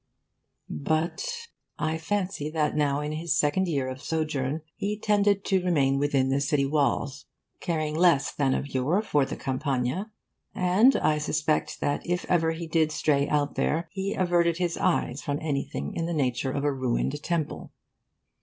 But but I fancy that now in his second year of sojourn he tended to remain within the city walls, caring less than of yore for the Campagna; and I suspect that if ever he did stray out there he averted his eyes from anything in the nature of a ruined temple.